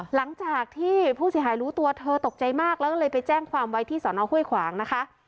หลังจากที่ผู้เสียหายรู้ตัวเธอตกใจมากแล้วก็เลยไปแจ้งความไว้ที่สอนอห้วยขวางนะคะ